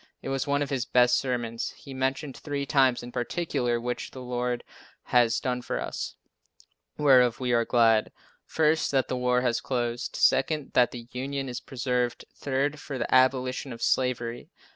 It was one of his best sermons. He mentioned three things in particular which the Lord has done for us, whereof we are glad: First, that the war has closed; second, that the Union is preserved; third, for the abolition of slavery.